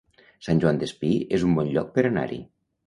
Sant Joan Despí es un bon lloc per anar-hi